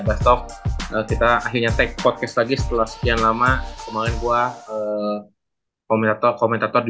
desktop kita akhirnya teks podcast lagi setelah sekian lama kemarin gua komentator komentator di